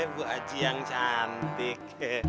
bu aji yang cantik